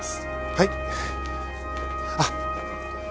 はい。